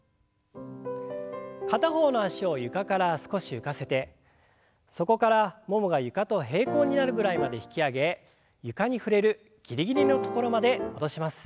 片方の脚を床から少し浮かせてそこからももが床と平行になるぐらいまで引き上げ床に触れるギリギリの所まで戻します。